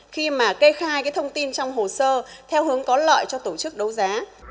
khi mà cây khai cái thông tin trong hồ sơ theo hướng có lợi cho tổ chức đấu giá